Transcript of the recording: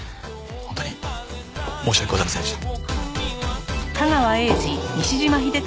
本当に申し訳ございませんでした。